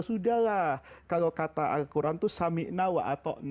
sudahlah kalau kata al quran itu